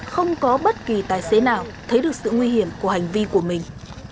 không có bất kỳ tài xế nào thấy được sự nguy hiểm của hành vi của mình